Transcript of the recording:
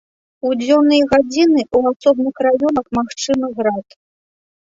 У дзённыя гадзіны ў асобных раёнах магчымы град.